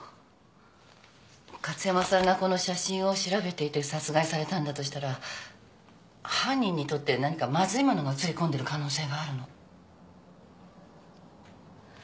加津山さんがこの写真を調べていて殺害されたんだとしたら犯人にとって何かまずいものが写り込んでる可能性があるの。